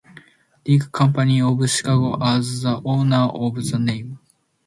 Dick Company of Chicago as the owner of the name.